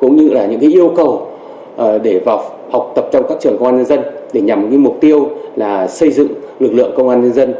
cũng như là những cái yêu cầu để vào học tập trong các trường công an dân dân để nhằm cái mục tiêu là xây dựng lực lượng công an dân dân